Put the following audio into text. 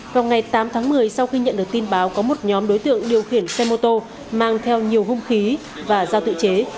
vào ngày tám tháng một mươi sau khi nhận được tin báo có một nhóm đối tượng điều khiển xe mô tô mang theo nhiều hung khí và giao tự chế